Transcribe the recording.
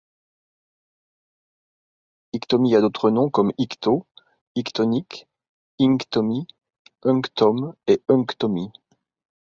Iktomi a d'autres noms comme Ikto, Ictinike, Inktomi, Unktome et Unktomi.